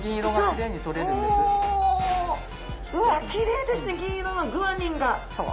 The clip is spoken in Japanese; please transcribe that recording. きれいですね銀色のグアニンが！